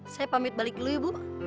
saya pamit balik dulu ya bu